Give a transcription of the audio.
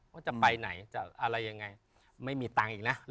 ว่าจะไปไหน